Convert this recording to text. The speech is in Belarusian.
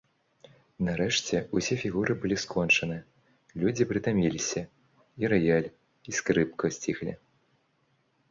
Нарэшце ўсе фігуры былі скончаны, людзі прытаміліся, і раяль і скрыпка сціхлі.